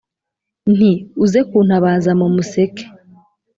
nti "uze kuntabaza mu museke